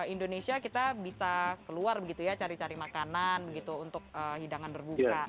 indonesia kita bisa keluar begitu ya cari cari makanan begitu untuk hidangan berbuka